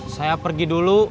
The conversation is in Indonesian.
saya pergi dulu